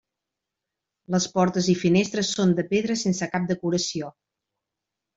Les portes i finestres són de pedra sense cap decoració.